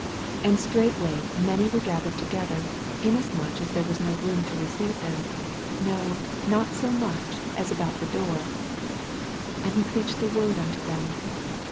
2 And straightway many were ga thered together, insomuch that there was no room to recei ^e them, no, not BO much as about the door: and he preached the word unto them.